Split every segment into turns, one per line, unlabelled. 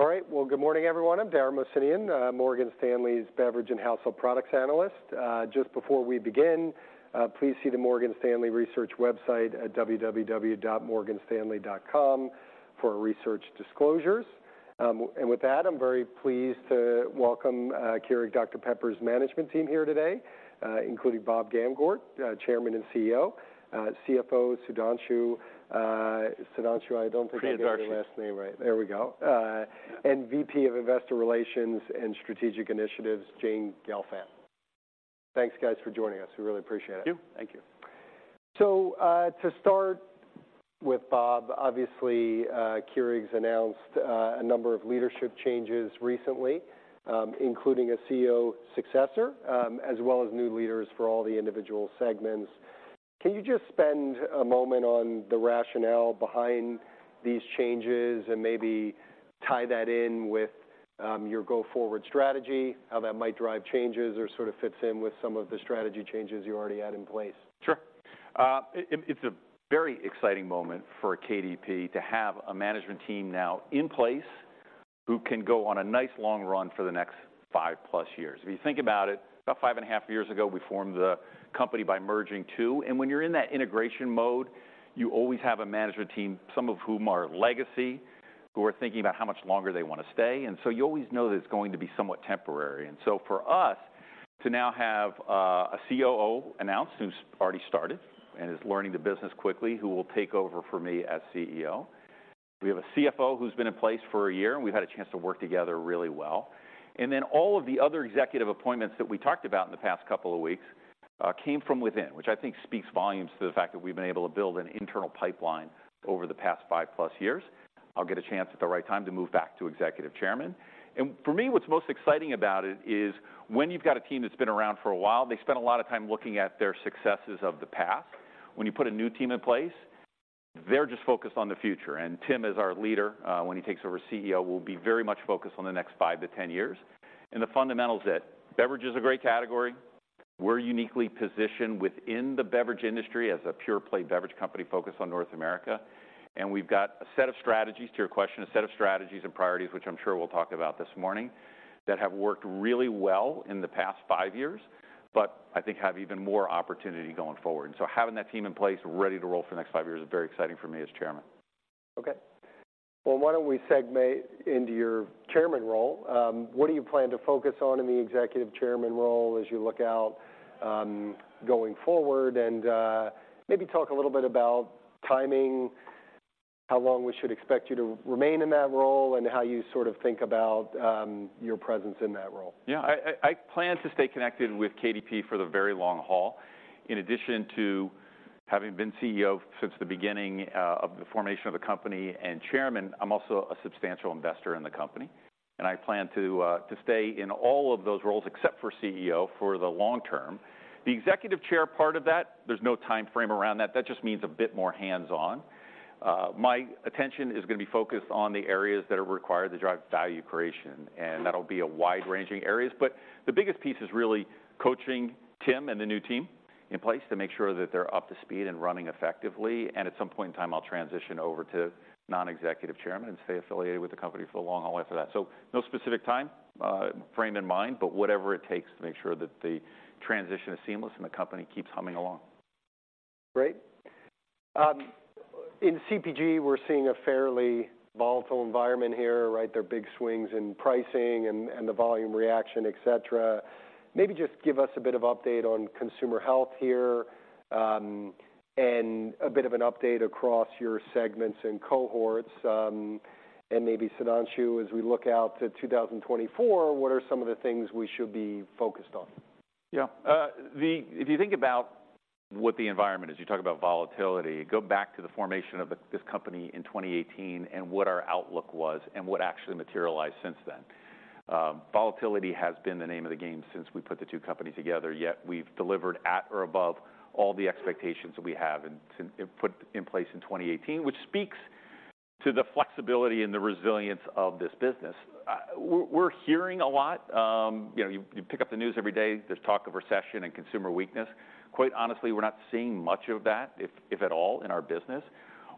All right. Well, good morning, everyone. I'm Dara Mohsenian, Morgan Stanley's beverage and household products analyst. Just before we begin, please see the Morgan Stanley Research website at www.morganstanley.com for our research disclosures. And with that, I'm very pleased to welcome Keurig Dr Pepper's management team here today, including Bob Gamgort, Chairman and CEO, CFO Sudhanshu, Sudhanshu, I don't think-
Priyadarshi
I got your last name right. There we go. And VP of Investor Relations and Strategic Initiatives, Jane Gelfand. Thanks, guys, for joining us. We really appreciate it.
Thank you.
Thank you. So, to start with Bob, obviously, Keurig's announced a number of leadership changes recently, including a CEO successor, as well as new leaders for all the individual segments. Can you just spend a moment on the rationale behind these changes and maybe tie that in with your go-forward strategy, how that might drive changes or sort of fits in with some of the strategy changes you already had in place?
Sure. It's a very exciting moment for KDP to have a management team now in place who can go on a nice long run for the next 5+ years. If you think about it, about 5.5 years ago, we formed the company by merging two. And when you're in that integration mode, you always have a management team, some of whom are legacy, who are thinking about how much longer they want to stay. And so you always know that it's going to be somewhat temporary. And so for us, to now have a COO announced, who's already started and is learning the business quickly, who will take over for me as CEO. We have a CFO who's been in place for one year, and we've had a chance to work together really well. And then all of the other executive appointments that we talked about in the past couple of weeks came from within, which I think speaks volumes to the fact that we've been able to build an internal pipeline over the past 5+ years. I'll get a chance at the right time to move back to Executive Chairman. For me, what's most exciting about it is when you've got a team that's been around for a while, they spend a lot of time looking at their successes of the past. When you put a new team in place, they're just focused on the future. And Tim, as our leader, when he takes over as CEO, will be very much focused on the next five to 10 years. And the fundamentals. Beverage is a great category. We're uniquely positioned within the beverage industry as a pure-play beverage company focused on North America, and we've got a set of strategies, to your question, a set of strategies and priorities, which I'm sure we'll talk about this morning, that have worked really well in the past five years, but I think have even more opportunity going forward. So having that team in place, ready to roll for the next five years, is very exciting for me as chairman.
Okay. Well, why don't we transition into your chairman role? What do you plan to focus on in the executive chairman role as you look out going forward? And maybe talk a little bit about timing, how long we should expect you to remain in that role, and how you sort of think about your presence in that role.
Yeah. I plan to stay connected with KDP for the very long haul. In addition to having been CEO since the beginning of the formation of the company and chairman, I'm also a substantial investor in the company, and I plan to stay in all of those roles, except for CEO, for the long term. The executive chair part of that there's no timeframe around that. That just means a bit more hands-on. My attention is going to be focused on the areas that are required to drive value creation, and that'll be a wide-ranging areas. But the biggest piece is really coaching Tim and the new team in place to make sure that they're up to speed and running effectively. At some point in time, I'll transition over to non-executive chairman and stay affiliated with the company for the long haul after that. No specific time frame in mind, but whatever it takes to make sure that the transition is seamless and the company keeps humming along.
Great. In CPG, we're seeing a fairly volatile environment here, right? There are big swings in pricing and the volume reaction, et cetera. Maybe just give us a bit of update on consumer health here, and a bit of an update across your segments and cohorts. And maybe, Sudhanshu, as we look out to 2024, what are some of the things we should be focused on?
Yeah. If you think about what the environment is, you talk about volatility. Go back to the formation of this company in 2018 and what our outlook was and what actually materialized since then. Volatility has been the name of the game since we put the two companies together, yet we've delivered at or above all the expectations that we have and to put in place in 2018, which speaks to the flexibility and the resilience of this business. We're hearing a lot. You know, you pick up the news every day, there's talk of recession and consumer weakness. Quite honestly, we're not seeing much of that, if at all, in our business.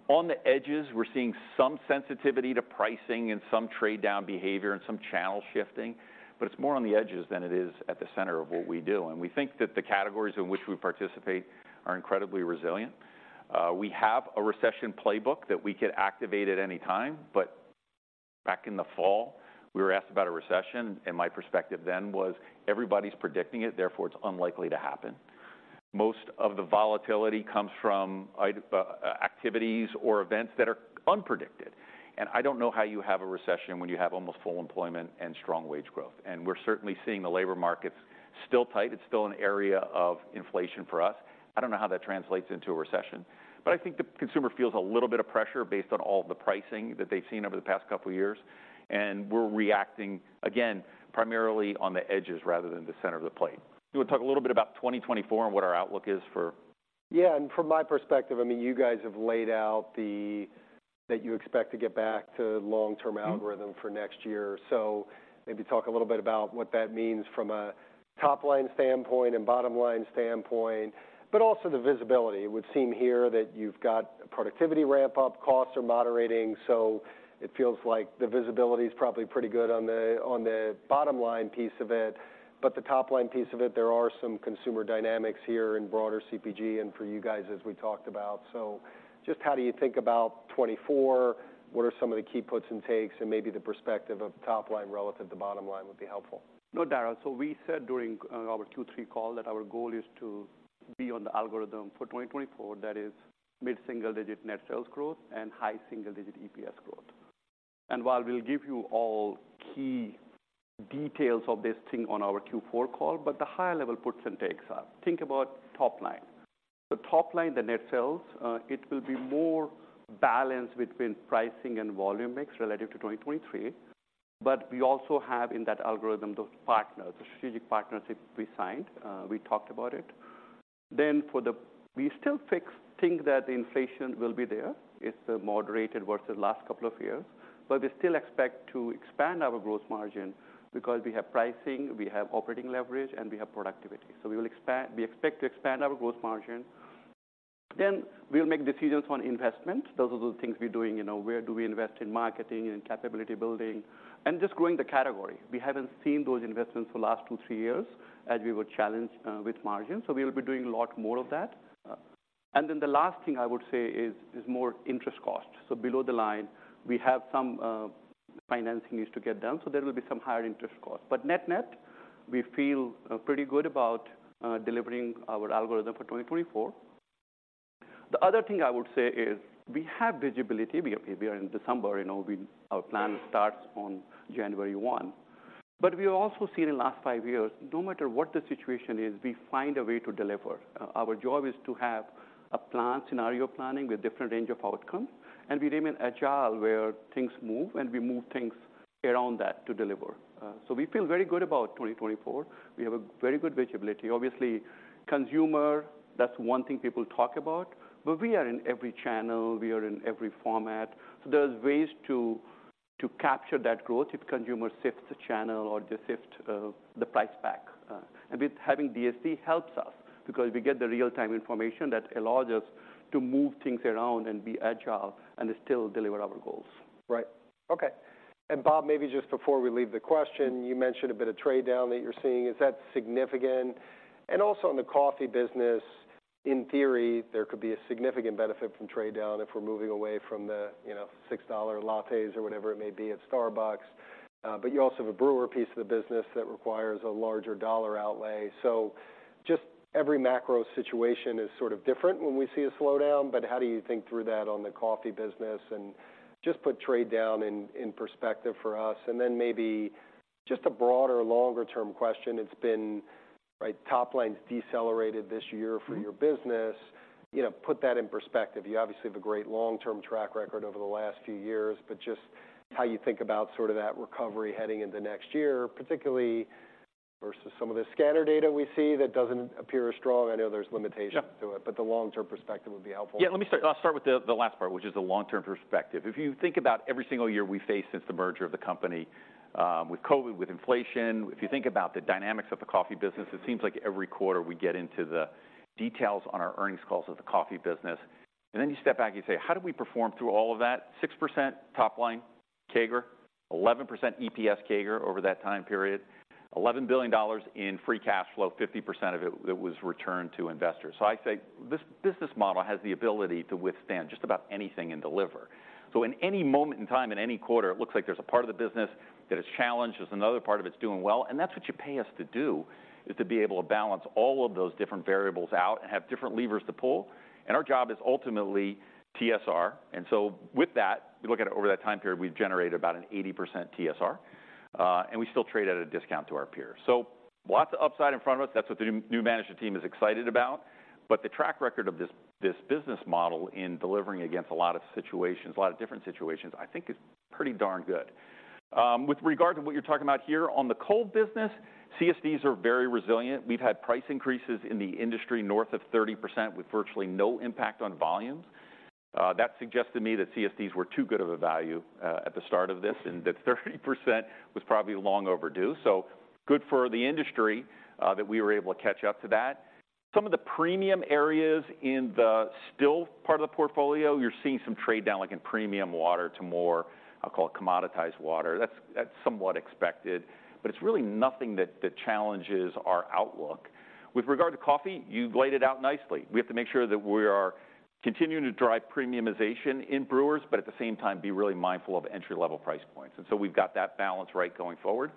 On the edges, we're seeing some sensitivity to pricing and some trade-down behavior and some channel shifting, but it's more on the edges than it is at the center of what we do. We think that the categories in which we participate are incredibly resilient. We have a recession playbook that we could activate at any time, but back in the fall, we were asked about a recession, and my perspective then was: Everybody's predicting it, therefore, it's unlikely to happen. Most of the volatility comes from activities or events that are unpredicted, and I don't know how you have a recession when you have almost full employment and strong wage growth. We're certainly seeing the labor markets still tight. It's still an area of inflation for us. I don't know how that translates into a recession, but I think the consumer feels a little bit of pressure based on all the pricing that they've seen over the past couple of years, and we're reacting, again, primarily on the edges rather than the center of the plate. You want to talk a little bit about 2024 and what our outlook is for-
Yeah, and from my perspective, I mean, you guys have laid out that you expect to get back to long-term algorithm for next year. So maybe talk a little bit about what that means from a top-line standpoint and bottom-line standpoint, but also the visibility. It would seem here that you've got productivity ramp-up, costs are moderating, so it feels like the visibility is probably pretty good on the bottom-line piece of it. But the top-line piece of it, there are some consumer dynamics here in broader CPG and for you guys, as we talked about. So just how do you think about 2024? What are some of the key puts and takes, and maybe the perspective of top line relative to bottom line would be helpful.
No, Dara. So we said during our Q3 call that our goal is to be on the algorithm for 2024. That is mid-single-digit net sales growth and high single-digit EPS growth. And while we'll give you all key details of this thing on our Q4 call, but the high-level puts and takes are, think about top line. The top line, the net sales, it will be more balanced between pricing and volume mix relative to 2023. But we also have in that algorithm, those partners, the strategic partnerships we signed, we talked about it. We still think that inflation will be there. It's moderated versus last couple of years, but we still expect to expand our gross margin because we have pricing, we have operating leverage, and we have productivity. We expect to expand our gross margin, then we'll make decisions on investment. Those are the things we're doing, you know, where do we invest in marketing and capability building and just growing the category. We haven't seen those investments for the last two, three years as we were challenged with margins, so we will be doing a lot more of that. And then the last thing I would say is more interest cost. So below the line, we have some financing needs to get done, so there will be some higher interest costs. But net-net, we feel pretty good about delivering our algorithm for 2024. The other thing I would say is we have visibility. We are in December. You know, our plan starts on January 1. But we have also seen in the last five years, no matter what the situation is, we find a way to deliver. Our, our job is to have a plan, scenario planning with different range of outcomes, and we remain agile, where things move, and we move things around that to deliver. So we feel very good about 2024. We have a very good visibility. Obviously, consumer, that's one thing people talk about, but we are in every channel, we are in every format. So there's ways to, to capture that growth if consumers shift the channel or they shift, the price pack. And with having DSD helps us because we get the real-time information that allows us to move things around and be agile and still deliver our goals.
Right. Okay, and Bob, maybe just before we leave the question, you mentioned a bit of trade down that you're seeing. Is that significant? And also in the coffee business, in theory, there could be a significant benefit from trade down if we're moving away from the, you know, $6 lattes or whatever it may be at Starbucks. But you also have a brewer piece of the business that requires a larger dollar outlay. So just every macro situation is sort of different when we see a slowdown, but how do you think through that on the coffee business? And just put trade down in perspective for us, and then maybe just a broader, longer-term question. It's been, right, top line's decelerated this year for your business. You know, put that in perspective. You obviously have a great long-term track record over the last few years, but just how you think about sort of that recovery heading into next year, particularly versus some of the scanner data we see that doesn't appear as strong? I know there's limitations to it-
Yeah.
But the long-term perspective would be helpful.
Yeah, let me start. I'll start with the last part, which is the long-term perspective. If you think about every single year we face since the merger of the company, with COVID, with inflation, if you think about the dynamics of the coffee business, it seems like every quarter we get into the details on our earnings calls of the coffee business, and then you step back, you say: How did we perform through all of that? 6% top line CAGR, 11% EPS CAGR over that time period, $11 billion in free cash flow, 50% of it was returned to investors. So I say this business model has the ability to withstand just about anything and deliver. So in any moment in time, in any quarter, it looks like there's a part of the business that is challenged. There's another part of it's doing well, and that's what you pay us to do, is to be able to balance all of those different variables out and have different levers to pull. And our job is ultimately TSR. And so with that, we look at it over that time period, we've generated about an 80% TSR, and we still trade at a discount to our peers. So lots of upside in front of us. That's what the new management team is excited about. But the track record of this, this business model in delivering against a lot of situations, a lot of different situations, I think is pretty darn good. With regard to what you're talking about here, on the cold business, CSDs are very resilient. We've had price increases in the industry north of 30%, with virtually no impact on volumes. That suggests to me that CSDs were too good of a value at the start of this, and that 30% was probably long overdue. So good for the industry that we were able to catch up to that. Some of the premium areas in the still part of the portfolio, you're seeing some trade down, like in premium water, to more, I'll call it commoditized water. That's somewhat expected, but it's really nothing that challenges our outlook. With regard to coffee, you've laid it out nicely. We have to make sure that we are continuing to drive premiumization in brewers, but at the same time, be really mindful of entry-level price points, and so we've got that balance right going forward.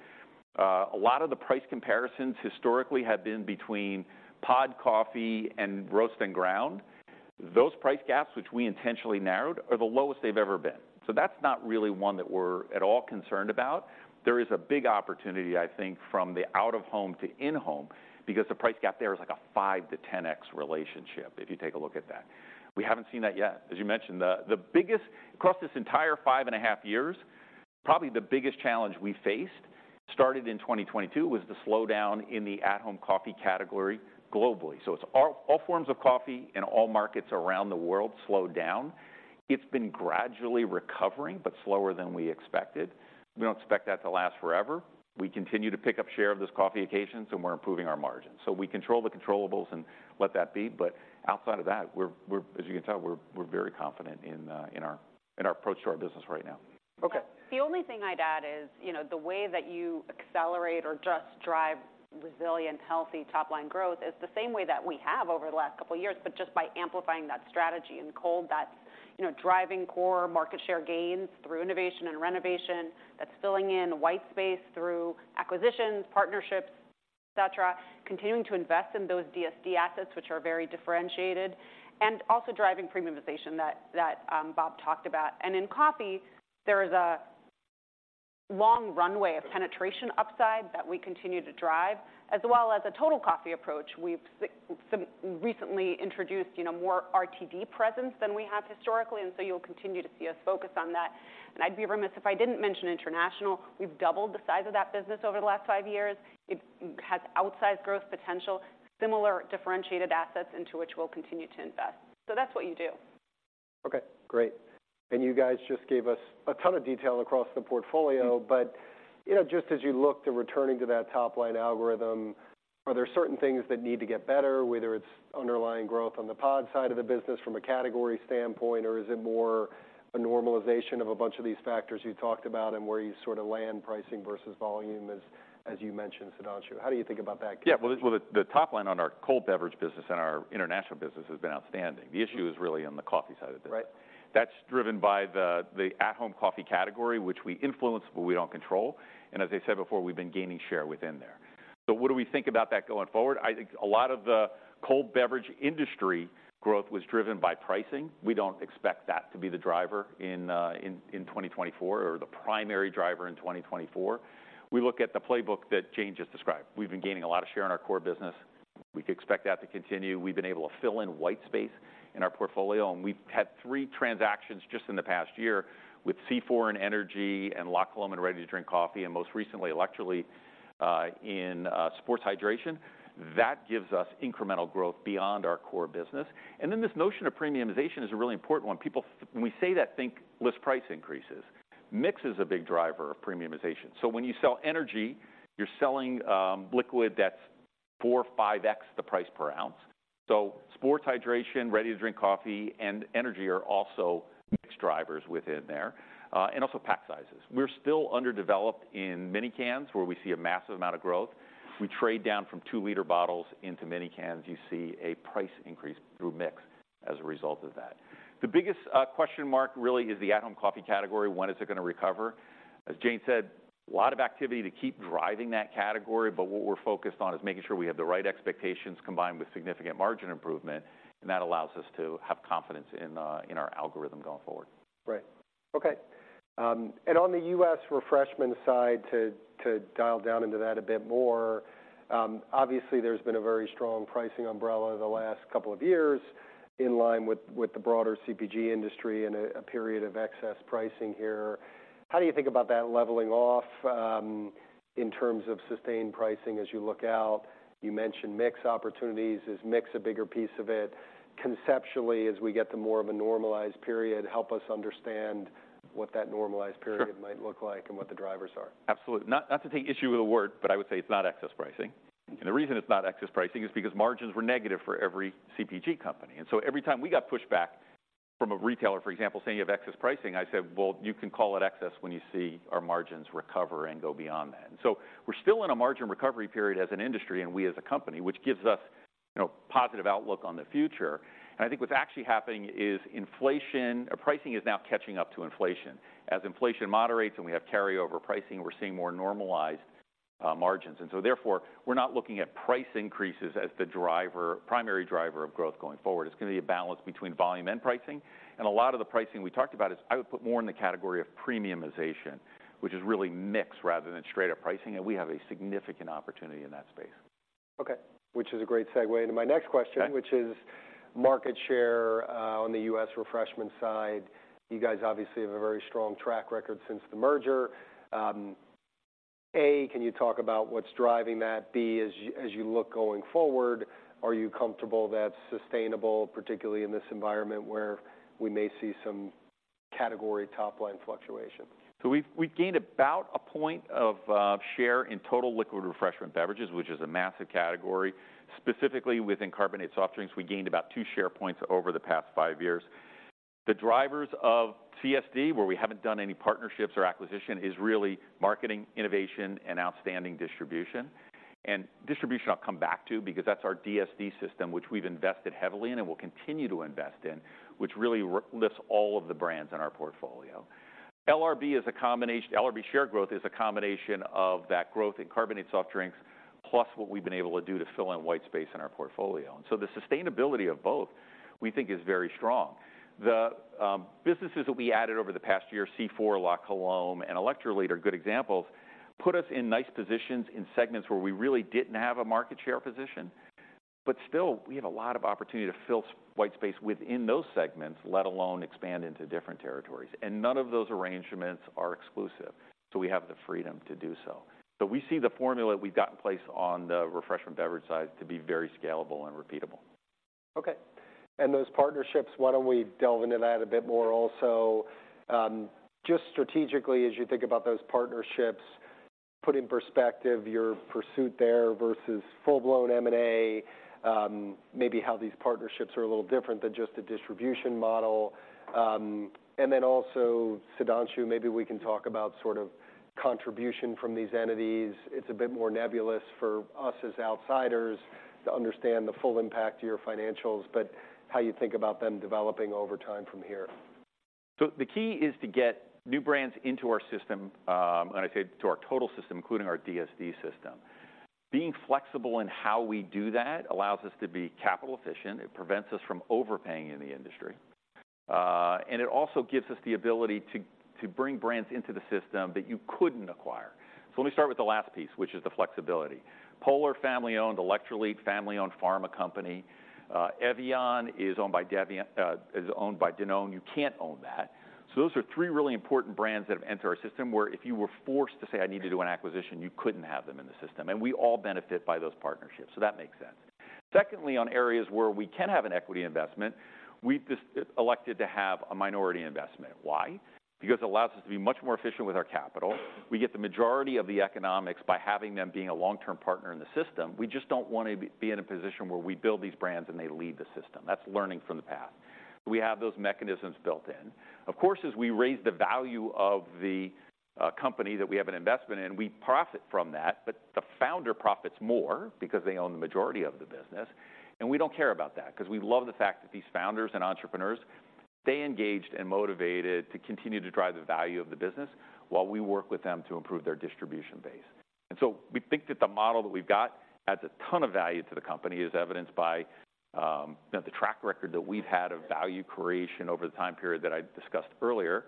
A lot of the price comparisons historically have been between pod coffee and roast and ground. Those price gaps, which we intentionally narrowed, are the lowest they've ever been. So that's not really one that we're at all concerned about. There is a big opportunity, I think, from the out-of-home to in-home, because the price gap there is like a 5x-10x relationship if you take a look. We haven't seen that yet. As you mentioned, the biggest across this entire 5.5 years, probably the biggest challenge we faced, started in 2022, was the slowdown in the at-home coffee category globally. So it's all forms of coffee in all markets around the world slowed down. It's been gradually recovering, but slower than we expected. We don't expect that to last forever. We continue to pick up share of those coffee occasions, and we're improving our margins. So we control the controllables and let that be, but outside of that, as you can tell, we're very confident in our approach to our business right now.
Okay.
The only thing I'd add is, you know, the way that you accelerate or just drive resilient, healthy top-line growth is the same way that we have over the last couple of years, but just by amplifying that strategy. In cold, that's, you know, driving core market share gains through innovation and renovation, that's filling in white space through acquisitions, partnerships, et cetera, continuing to invest in those DSD assets, which are very differentiated, and also driving premiumization that Bob talked about. And in coffee, there is a long runway of penetration upside that we continue to drive, as well as a total coffee approach. We've recently introduced, you know, more RTD presence than we have historically, and so you'll continue to see us focus on that. And I'd be remiss if I didn't mention international. We've doubled the size of that business over the last five years. It has outsized growth potential, similar differentiated assets into which we'll continue to invest. That's what you do.
Okay, great. And you guys just gave us a ton of detail across the portfolio. But, you know, just as you look to returning to that top-line algorithm, are there certain things that need to get better, whether it's underlying growth on the pod side of the business from a category standpoint, or is it more a normalization of a bunch of these factors you talked about, and where you sort of land pricing versus volume, as you mentioned, Sudhanshu? How do you think about that?
Yeah. Well, the top line on our cold beverage business and our international business has been outstanding. The issue is really on the coffee side of the business.
Right.
That's driven by the at-home coffee category, which we influence, but we don't control. As I said before, we've been gaining share within there. So what do we think about that going forward? I think a lot of the cold beverage industry growth was driven by pricing. We don't expect that to be the driver in 2024, or the primary driver in 2024. We look at the playbook that Jane just described. We've been gaining a lot of share in our core business. We expect that to continue. We've been able to fill in white space in our portfolio, and we've had three transactions just in the past year with C4 Energy and La Colombe ready-to-drink coffee, and most recently, Electrolit in sports hydration. That gives us incremental growth beyond our core business. And then, this notion of premiumization is a really important one. People, when we say that, think list price increases. Mix is a big driver of premiumization. So when you sell energy, you're selling liquid that's 4x-5x the price per ounce. So sports hydration, ready-to-drink coffee, and energy are also mix drivers within there, and also pack sizes. We're still underdeveloped in mini cans, where we see a massive amount of growth. We trade down from 2-liter bottles into mini cans. You see a price increase through mix as a result of that. The biggest question mark really is the at-home coffee category. When is it going to recover? As Jane said, a lot of activity to keep driving that category, but what we're focused on is making sure we have the right expectations combined with significant margin improvement, and that allows us to have confidence in our algorithm going forward.
Right. Okay. And on the U.S. refreshment side, to dial down into that a bit more, obviously, there's been a very strong pricing umbrella the last couple of years, in line with the broader CPG industry, and a period of excess pricing here. How do you think about that leveling off, in terms of sustained pricing as you look out? You mentioned mix opportunities. Is mix a bigger piece of it? Conceptually, as we get to more of a normalized period, help us understand what that normalized period might look like and what the drivers are.
Absolutely. Not to take issue with the word, but I would say it's not excess pricing. And the reason it's not excess pricing is because margins were negative for every CPG company. And so every time we got pushback from a retailer, for example, saying, "You have excess pricing," I said, "Well, you can call it excess when you see our margins recover and go beyond that." And so we're still in a margin recovery period as an industry, and we as a company, which gives us, you know, positive outlook on the future. And I think what's actually happening is inflation, or pricing is now catching up to inflation. As inflation moderates and we have carryover pricing, we're seeing more normalized margins. And so therefore, we're not looking at price increases as the driver, primary driver of growth going forward. It's going to be a balance between volume and pricing, and a lot of the pricing we talked about is, I would put more in the category of premiumization, which is really mix rather than straight-up pricing, and we have a significant opportunity in that space.
Okay, which is a great segue into my next question which is market share on the U.S. refreshment side. You guys obviously have a very strong track record since the merger. A, can you talk about what's driving that? B, as you look going forward, are you comfortable that's sustainable, particularly in this environment, where we may see some category top-line fluctuation?
So we've gained about 1 point of share in total liquid refreshment beverages, which is a massive category. Specifically, within carbonated soft drinks, we gained about 2 share points over the past five years. The drivers of CSD, where we haven't done any partnerships or acquisition, is really marketing, innovation, and outstanding distribution. And distribution I'll come back to because that's our DSD system, which we've invested heavily in and will continue to invest in, which really lifts all of the brands in our portfolio. LRB share growth is a combination of that growth in carbonated soft drinks, plus what we've been able to do to fill in white space in our portfolio. And so the sustainability of both, we think, is very strong. The businesses that we added over the past year, C4, La Colombe, and Electrolit are good examples, put us in nice positions in segments where we really didn't have a market share position. But still, we have a lot of opportunity to fill white space within those segments, let alone expand into different territories, and none of those arrangements are exclusive, so we have the freedom to do so. So we see the formula we've got in place on the refreshment beverage side to be very scalable and repeatable.
Okay, and those partnerships, why don't we delve into that a bit more also? Just strategically, as you think about those partnerships, put in perspective your pursuit there versus full-blown M&A, maybe how these partnerships are a little different than just a distribution model. And then also, Sudhanshu, maybe we can talk about sort of contribution from these entities. It's a bit more nebulous for us as outsiders to understand the full impact to your financials, but how you think about them developing over time from here.
So the key is to get new brands into our system, and I say to our total system, including our DSD system. Being flexible in how we do that allows us to be capital efficient. It prevents us from overpaying in the industry, and it also gives us the ability to bring brands into the system that you couldn't acquire. So let me start with the last piece, which is the flexibility. Polar, family-owned Electrolit, family-owned pharma company. Evian is owned by Danone. You can't own that. So those are three really important brands that have entered our system, where if you were forced to say, "I need to do an acquisition," you couldn't have them in the system, and we all benefit by those partnerships, so that makes sense. Secondly, on areas where we can have an equity investment, we've just elected to have a minority investment. Why? Because it allows us to be much more efficient with our capital. We get the majority of the economics by having them being a long-term partner in the system. We just don't want to be in a position where we build these brands, and they leave the system. That's learning from the past. We have those mechanisms built in. Of course, as we raise the value of the company that we have an investment in, we profit from that, but the founder profits more because they own the majority of the business, and we don't care about that, 'cause we love the fact that these founders and entrepreneurs stay engaged and motivated to continue to drive the value of the business while we work with them to improve their distribution base. And so we think that the model that we've got adds a ton of value to the company, as evidenced by, you know, the track record that we've had of value creation over the time period that I discussed earlier.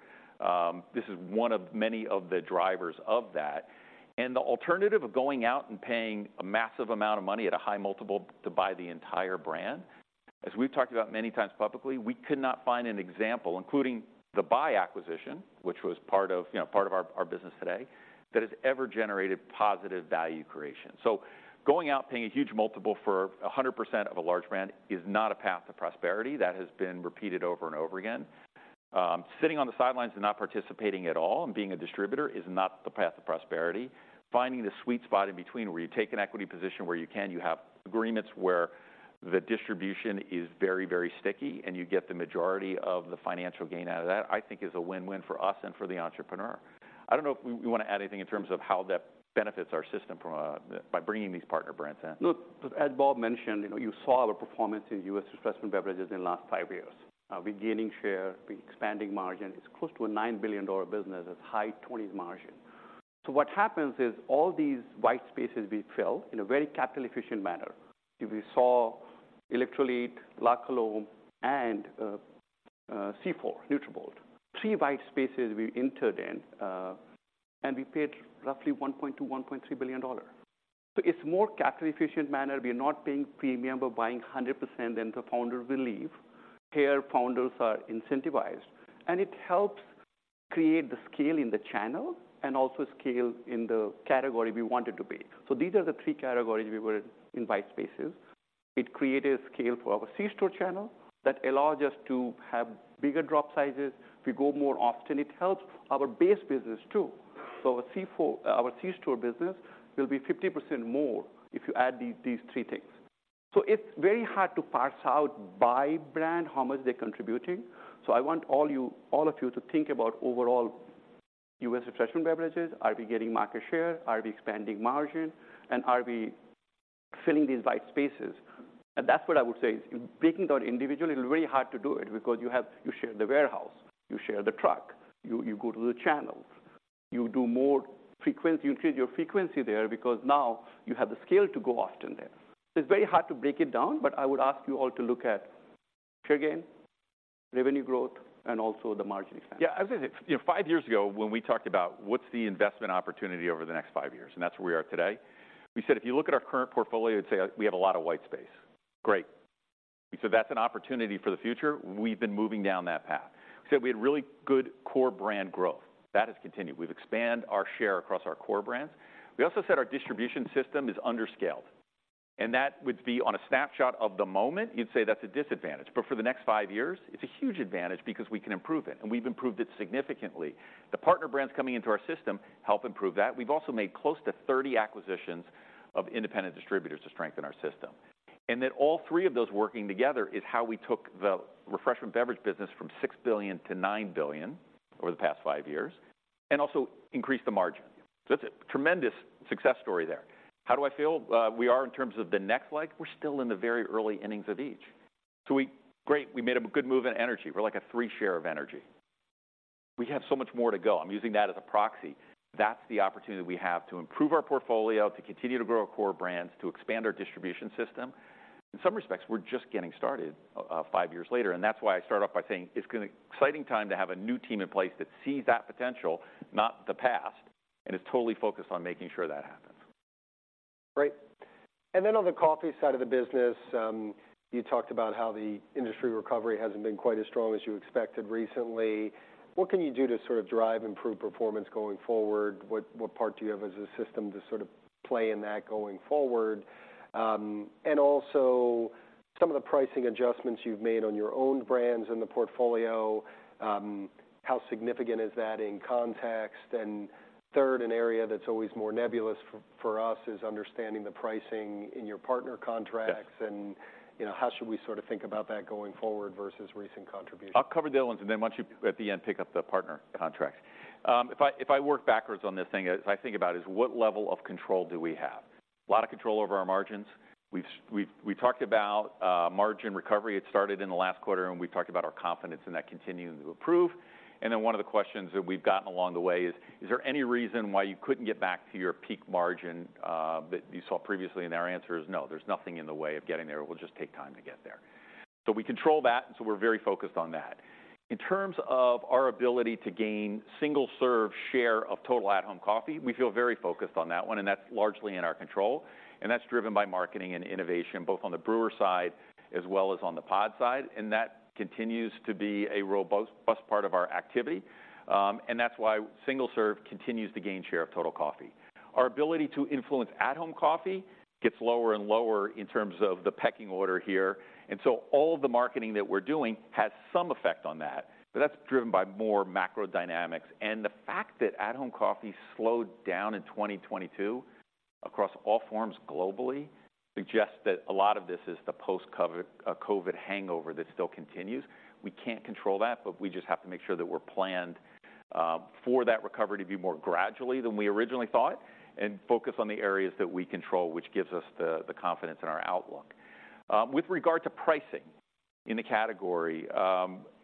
This is one of many of the drivers of that, and the alternative of going out and paying a massive amount of money at a high multiple to buy the entire brand, as we've talked about many times publicly, we could not find an example, including the Bai acquisition, which was part of, you know, part of our, our business today, that has ever generated positive value creation. So going out, paying a huge multiple for 100% of a large brand is not a path to prosperity. That has been repeated over and over again. Sitting on the sidelines and not participating at all and being a distributor is not the path to prosperity. Finding the sweet spot in between, where you take an equity position, where you can, you have agreements where the distribution is very, very sticky, and you get the majority of the financial gain out of that, I think is a win-win for us and for the entrepreneur. I don't know if we want to add anything in terms of how that benefits our system from, by bringing these partner brands in.
Look, as Bob mentioned, you know, you saw our performance in U.S. refreshment beverages in the last five years. We're gaining share, we're expanding margin. It's close to a $9 billion business. It's high 20s margin. So what happens is all these white spaces we fill in a very capital efficient manner. If you saw Electrolit, La Colombe, and C4, Nutrabolt, three white spaces we entered in, and we paid roughly $1.2-$1.3 billion. So it's more capital efficient manner. We are not paying premium, but buying 100%, then the founders will leave. Here, founders are incentivized, and it helps create the scale in the channel and also scale in the category we want it to be. So these are the three categories we were in white spaces. It created scale for our C-store channel that allows us to have bigger drop sizes. We go more often. It helps our base business, too. So our C-store business will be 50% more if you add these, these three things. So it's very hard to parse out by brand, how much they're contributing. So I want all you, all of you to think about overall U.S. refreshment beverages. Are we getting market share? Are we expanding margin, and are we filling these white spaces? And that's what I would say, is breaking down individually, it's very hard to do it because you share the warehouse, you share the truck, you go to the channels, you do more frequency, you increase your frequency there because now you have the scale to go often there. It's very hard to break it down, but I would ask you all to look at share gain, revenue growth, and also the margin expansion.
Yeah, I would say, you know, five years ago, when we talked about what's the investment opportunity over the next five years, and that's where we are today. We said, if you look at our current portfolio, you'd say we have a lot of white space. Great. So that's an opportunity for the future. We've been moving down that path. So we had really good core brand growth. That has continued. We've expanded our share across our core brands. We also said our distribution system is under-scaled, and that would be on a snapshot of the moment. You'd say that's a disadvantage, but for the next five years, it's a huge advantage because we can improve it, and we've improved it significantly. The partner brands coming into our system help improve that. We've also made close to 30 acquisitions of independent distributors to strengthen our system. That all three of those working together is how we took the refreshment beverage business from $6 billion-$9 billion over the past five years and also increased the margin. So that's a tremendous success story there. How do I feel, we are in terms of the next leg? We're still in the very early innings of each, so we... Great, we made a good move in energy. We're like a 3% share of energy. We have so much more to go. I'm using that as a proxy. That's the opportunity we have to improve our portfolio, to continue to grow our core brands, to expand our distribution system. In some respects, we're just getting started, five years later, and that's why I started off by saying it's an exciting time to have a new team in place that sees that potential, not the past, and is totally focused on making sure that happens.
Great. And then on the coffee side of the business, you talked about how the industry recovery hasn't been quite as strong as you expected recently. What can you do to sort of drive improved performance going forward? What part do you have as a system to sort of play in that going forward? And also some of the pricing adjustments you've made on your own brands in the portfolio, how significant is that in context? And third, an area that's always more nebulous for us, is understanding the pricing in your partner contracts, you know, how should we sort of think about that going forward versus recent contributions?
I'll cover the other ones, and then why don't you, at the end, pick up the partner contracts. If I work backwards on this thing, as I think about it, is what level of control do we have? A lot of control over our margins. We've talked about margin recovery. It started in the last quarter, and we talked about our confidence in that continuing to improve. And then one of the questions that we've gotten along the way is: Is there any reason why you couldn't get back to your peak margin that you saw previously? And our answer is no, there's nothing in the way of getting there. It will just take time to get there. So we control that, and so we're very focused on that. In terms of our ability to gain single-serve share of total at-home coffee, we feel very focused on that one, and that's largely in our control, and that's driven by marketing and innovation, both on the brewer side as well as on the pod side, and that continues to be a robust part of our activity. That's why single serve continues to gain share of total coffee. Our ability to influence at-home coffee gets lower and lower in terms of the pecking order here. So all the marketing that we're doing has some effect on that, but that's driven by more macro dynamics. The fact that at-home coffee slowed down in 2022 across all forms globally suggests that a lot of this is the post-COVID COVID hangover that still continues. We can't control that, but we just have to make sure that we're planned for that recovery to be more gradually than we originally thought, and focus on the areas that we control, which gives us the, the confidence in our outlook. With regard to pricing in the category,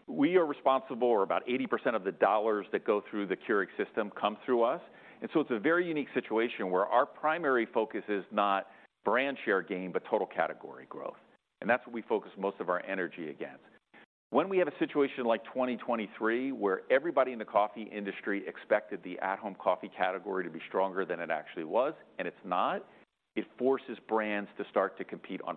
we are responsible for about 80% of the dollars that go through the Keurig system, come through us. That's a very unique situation where our primary focus is not brand share gain, but total category growth. That's what we focus most of our energy against. When we have a situation like 2023, where everybody in the coffee industry expected the at-home coffee category to be stronger than it actually was, and it's not, it forces brands to start to compete on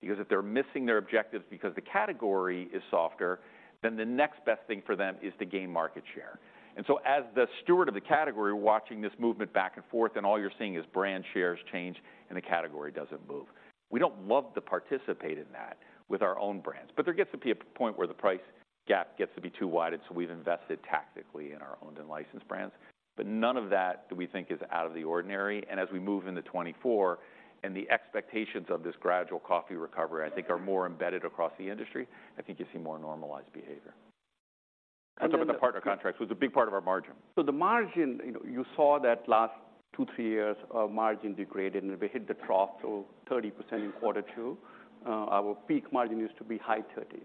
price, because if they're missing their objectives because the category is softer, then the next best thing for them is to gain market share. And so, as the steward of the category, we're watching this movement back and forth, and all you're seeing is brand shares change, and the category doesn't move. We don't love to participate in that with our own brands, but there gets to be a point where the price gap gets to be too wide, and so we've invested tactically in our owned and licensed brands. But none of that do we think is out of the ordinary. As we move into 2024 and the expectations of this gradual coffee recovery, I think, are more embedded across the industry, I think you'll see more normalized behavior. So with the partner contracts, was a big part of our margin.
So the margin, you know, you saw that last two to three years of margin degraded, and we hit the trough, so 30% in quarter two. Our peak margin used to be high 30s.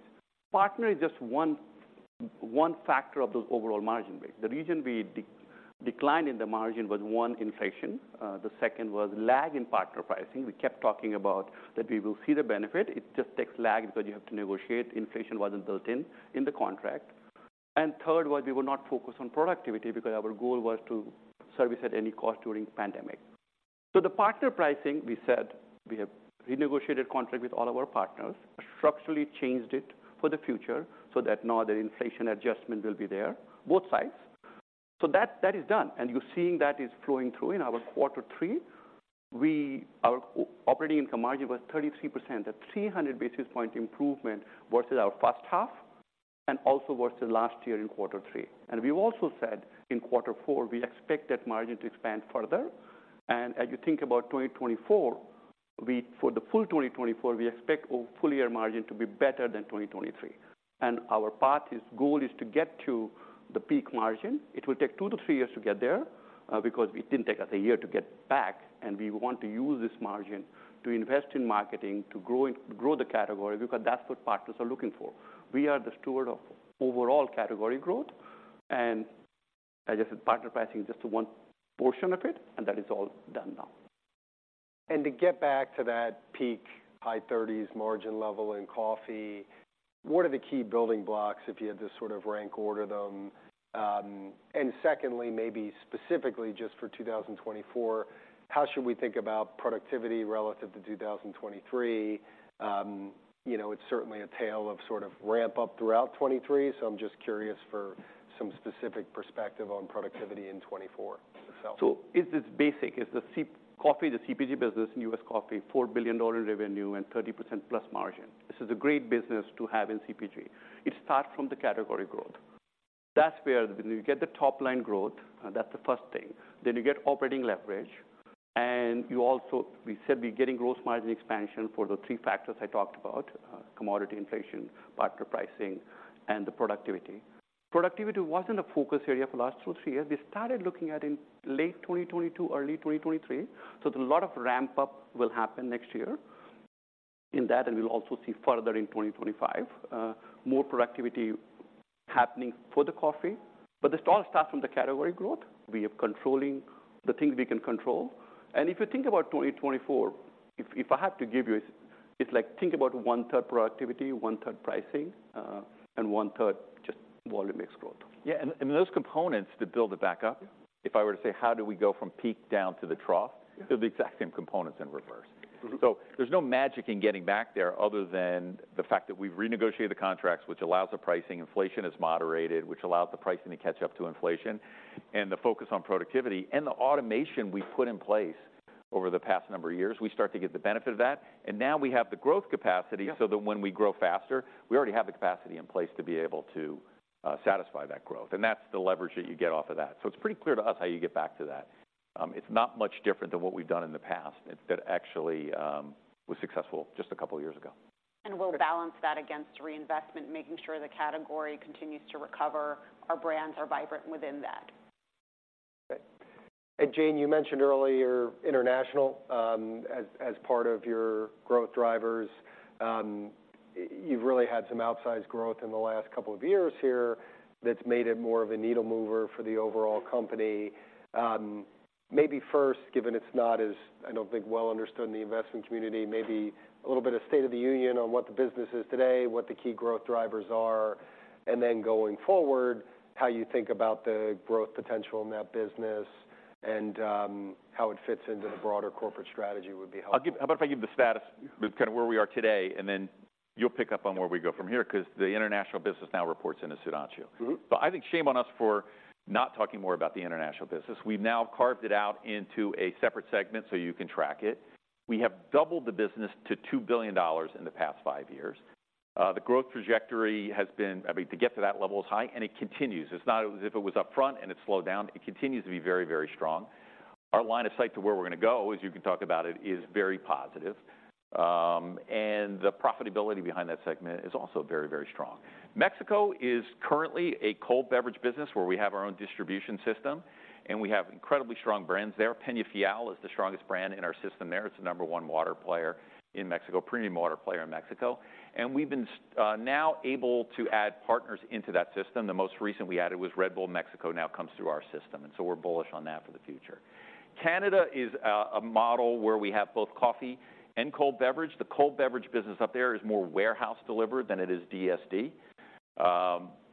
Partner is just one factor of those overall margin rates. The reason we declined in the margin was, one, inflation. The second was lag in partner pricing. We kept talking about that we will see the benefit. It just takes lag, but you have to negotiate. Inflation wasn't built in the contract. And third was we were not focused on productivity because our goal was to service at any cost during pandemic. So the partner pricing, we said we have renegotiated contract with all our partners, structurally changed it for the future, so that now the inflation adjustment will be there, both sides. So that, that is done, and you're seeing that is flowing through. In our quarter three, our operating income margin was 33%. That's 300 basis point improvement versus our first half and also versus last year in quarter three. And we've also said in quarter four, we expect that margin to expand further. And as you think about 2024, for the full 2024, we expect our full year margin to be better than 2023. And our path, goal is to get to the peak margin. It will take two to three years to get there, because it didn't take us a year to get back, and we want to use this margin to invest in marketing, to grow, grow the category, because that's what partners are looking for. We are the steward of overall category growth, and as I said, partner pricing is just one portion of it, and that is all done now.
And to get back to that peak, high 30s margin level in coffee, what are the key building blocks if you had to sort of rank order them? And secondly, maybe specifically just for 2024, how should we think about productivity relative to 2023? You know, it's certainly a tale of sort of ramp up throughout 2023, so I'm just curious for some specific perspective on productivity in 2024 itself.
It's basic. It's the coffee, the CPG business in U.S. coffee, $4 billion revenue and 30%+ margin. This is a great business to have in CPG. It starts from the category growth. That's where when you get the top-line growth, that's the first thing. Then you get operating leverage, and you also we said we're getting gross margin expansion for the three factors I talked about, commodity inflation, partner pricing, and the productivity. Productivity wasn't a focus area for the last two, three years. We started looking at in late 2022, early 2023, so a lot of ramp-up will happen next year in that, and we'll also see further in 2025, more productivity happening for the coffee. But this all starts from the category growth. We are controlling the things we can control. If you think about 2024, if I have to give you, it's like, think about one-third productivity, one-third pricing, and one-third just volume mix growth.
Yeah, and those components to build it back up. If I were to say: How do we go from peak down to the trough? It'd be the exact same components in reverse. So there's no magic in getting back there, other than the fact that we've renegotiated the contracts, which allows the pricing. Inflation is moderated, which allows the pricing to catch up to inflation, and the focus on productivity and the automation we put in place over the past number of years, we start to get the benefit of that. And now we have the growth capacity so that when we grow faster, we already have the capacity in place to be able to satisfy that growth. And that's the leverage that you get off of that. So it's pretty clear to us how you get back to that. It's not much different than what we've done in the past, that actually was successful just a couple of years ago.
We'll balance that against reinvestment, making sure the category continues to recover. Our brands are vibrant within that.
Okay. And Jane, you mentioned earlier international, as part of your growth drivers. You've really had some outsized growth in the last couple of years here that's made it more of a needle mover for the overall company. Maybe first, given it's not as, I don't think, well understood in the investment community, maybe a little bit of state of the union on what the business is today, what the key growth drivers are, and then going forward, how you think about the growth potential in that business and, how it fits into the broader corporate strategy would be helpful.
How about if I give the status, kind of where we are today, and then you'll pick up on where we go from here, 'cause the international business now reports into Sudhanshu. So I think shame on us for not talking more about the international business. We've now carved it out into a separate segment, so you can track it. We have doubled the business to $2 billion in the past five years. The growth trajectory has been, I mean, to get to that level is high, and it continues. It's not as if it was up front, and it's slowed down. It continues to be very, very strong. Our line of sight to where we're gonna go, as you can talk about it, is very positive. And the profitability behind that segment is also very, very strong. Mexico is currently a cold beverage business, where we have our own distribution system, and we have incredibly strong brands there. Peñafiel is the strongest brand in our system there. It's the number one water player in Mexico, premium water player in Mexico. We've been now able to add partners into that system. The most recent we added was Red Bull Mexico, now comes through our system, and so we're bullish on that for the future. Canada is a model where we have both coffee and cold beverage. The cold beverage business up there is more warehouse delivered than it is DSD.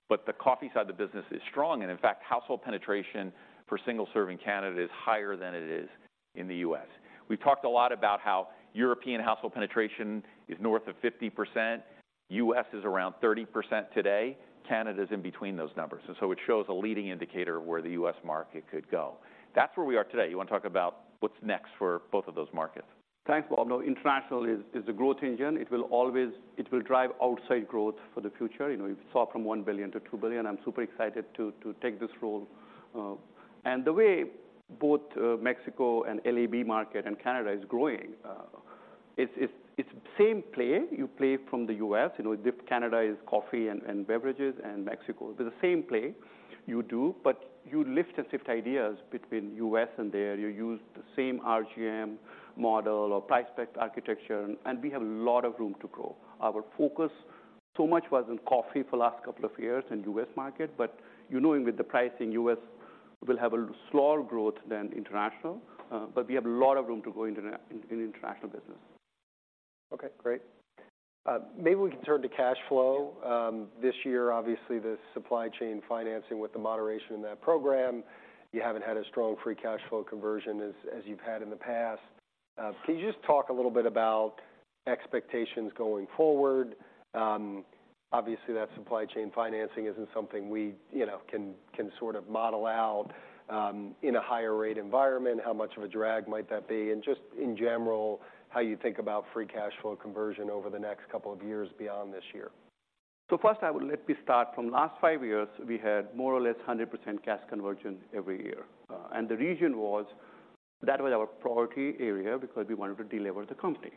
But the coffee side of the business is strong, and in fact, household penetration for single-serve in Canada is higher than it is in the U.S. We've talked a lot about how European household penetration is north of 50%. U.S. is around 30% today. Canada is in between those numbers, and so it shows a leading indicator of where the U.S. market could go. That's where we are today. You want to talk about what's next for both of those markets?
Thanks, Bob. No, international is a growth engine. It will always, it will drive outside growth for the future. You know, we saw from $1 billion-$2 billion. I'm super excited to take this role. And the way both Mexico and LAB market and Canada is growing, it's the same play you play from the U.S. You know, Canada is coffee and beverages, and Mexico. They're the same play you do, but you lift and shift ideas between U.S. and there. You use the same RGM model or price spec architecture, and we have a lot of room to grow. Our focus, so much, was in coffee for the last couple of years in U.S. market, but you know, with the pricing, U.S. will have a slower growth than international, but we have a lot of room to grow in international business.
Okay, great. Maybe we can turn to cash flow. This year, obviously, the supply chain financing with the moderation in that program, you haven't had a strong free cash flow conversion as you've had in the past. Can you just talk a little bit about expectations going forward? Obviously, that supply chain financing isn't something we, you know, can sort of model out, in a higher rate environment. How much of a drag might that be? And just in general, how you think about free cash flow conversion over the next couple of years beyond this year.
So first, I would let me start from last five years, we had more or less 100% cash conversion every year. And the reason was, that was our priority area because we wanted to delever the company.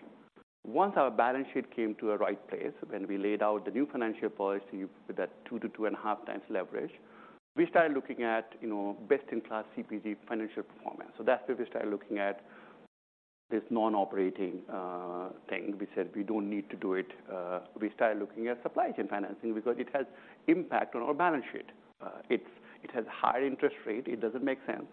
Once our balance sheet came to a right place, when we laid out the new financial policy with that 2x-2.5x leverage, we started looking at, you know, best-in-class CPG financial performance. So that's where we started looking at this non-operating thing. We said, "We don't need to do it." We started looking at supply chain financing because it has impact on our balance sheet. It's, it has high interest rate. It doesn't make sense.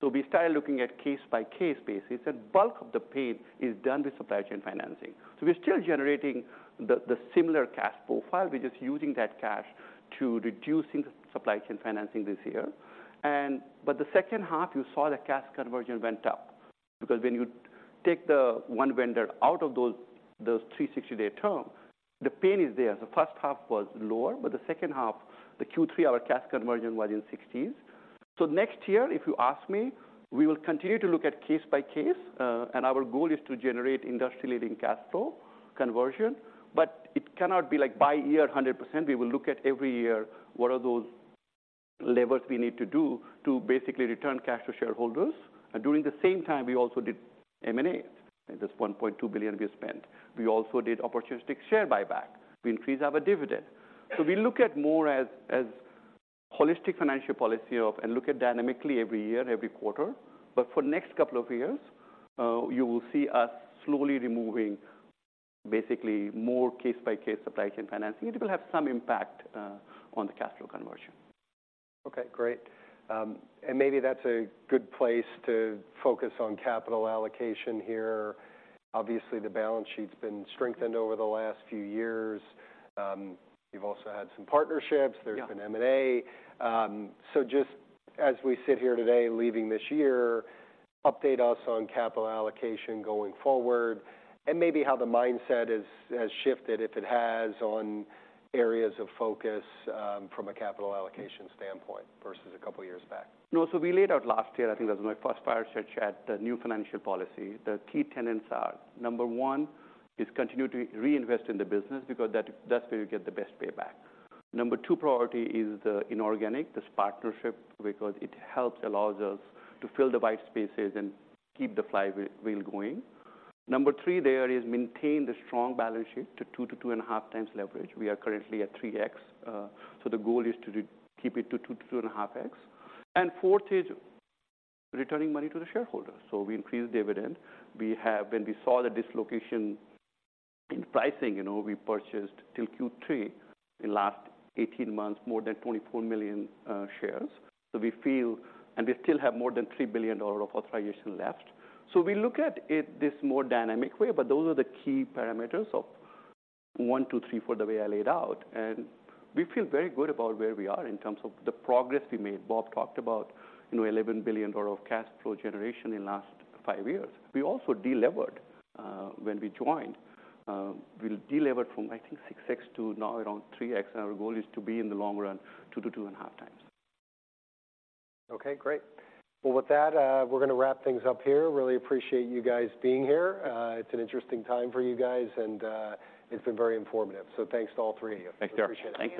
So we started looking at case-by-case basis, and bulk of the paid is done with supply chain financing. So we're still generating the, the similar cash profile. We're just using that cash to reducing supply chain financing this year. But the second half, you saw the cash conversion went up, because when you take the one vendor out of those, those 360-day term, the pain is there. The first half was lower, but the second half, the Q3, our cash conversion was in 60s. So next year, if you ask me, we will continue to look at case by case, and our goal is to generate industry-leading cash flow conversion, but it cannot be like by year, 100%. We will look at every year, what are those levers we need to do to basically return cash to shareholders? And during the same time, we also did M&A, and that's $1.2 billion we spent. We also did opportunistic share buyback. We increased our dividend. So we look at more as holistic financial policy, and look at dynamically every year, every quarter. But for next couple of years, you will see us slowly removing basically more case-by-case supply chain financing. It will have some impact on the capital conversion.
Okay, great. Maybe that's a good place to focus on capital allocation here. Obviously, the balance sheet's been strengthened over the last few years. You've also had some partnerships.
Yeah.
There's been M&A. So just as we sit here today, leaving this year, update us on capital allocation going forward, and maybe how the mindset has shifted, if it has, on areas of focus, from a capital allocation standpoint versus a couple of years back.
No, so we laid out last year, I think that was my first fireside chat, the new financial policy. The key tenets are: number one, is continue to reinvest in the business because that's where you get the best payback. Number two priority is the inorganic, this partnership, because it helps, allows us to fill the white spaces and keep the flywheel going. Number three, there is maintain the strong balance sheet to 2x to 2.5x leverage. We are currently at 3x, so the goal is to keep it to 2x to 2.5x. And fourth is returning money to the shareholders. So we increased dividend. We have—When we saw the dislocation in pricing, you know, we purchased till Q3, in last 18 months, more than 24 million shares. So we feel. We still have more than $3 billion of authorization left. So we look at it, this more dynamic way, but those are the key parameters of one, two, three, four, the way I laid out. And we feel very good about where we are in terms of the progress we made. Bob talked about, you know, $11 billion of cash flow generation in last five years. We also delevered, when we joined. We delevered from, I think, 6x to now around 3x, and our goal is to be, in the long run, 2x-2.5x.
Okay, great. Well, with that, we're gonna wrap things up here. Really appreciate you guys being here. It's an interesting time for you guys, and it's been very informative. Thanks to all three of you.
Thank you.
Thank you.